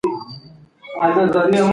لمر خپلې زرینې وړانګې پر پاڼه شیندي.